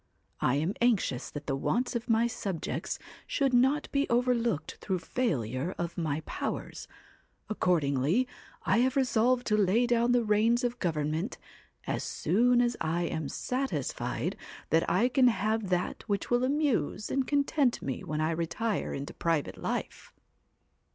I am anxious that the wants of my subjects should not be overlooked through failure of my powers, accordingly I have resolved to lay down the reins of government as soon as I am satisfied that I can have that which will amuse and content me when I retire into private life.